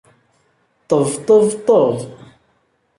- Ṭeb! Ṭeb! Ṭeb!...